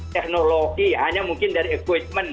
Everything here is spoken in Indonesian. teknologi hanya mungkin dari equipment